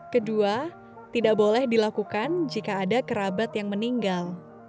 kedua tidak boleh dilakukan jika ada kerabat yang meninggal